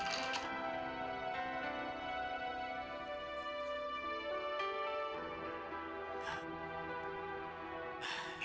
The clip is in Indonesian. ini udah kaget